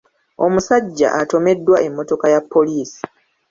Omusajja atomeddwa emmotoka ya poliisi.